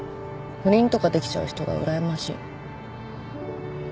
不倫とかできちゃう人がうらやましい。